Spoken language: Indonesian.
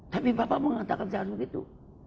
tapi bapak mengatakan jangan begitu